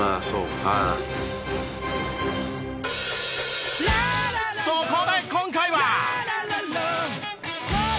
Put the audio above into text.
そこで今回は。